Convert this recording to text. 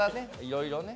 色々ね。